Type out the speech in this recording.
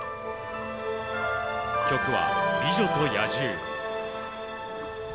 曲は「美女と野獣」。